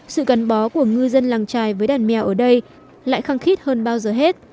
sự gắn bó của ngư dân làng trài với đàn mèo ở đây lại khăng khít hơn bao giờ hết